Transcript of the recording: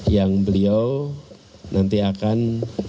yang beliau nanti akan